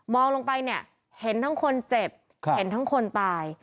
ลงไปเนี่ยเห็นทั้งคนเจ็บเห็นทั้งคนตาย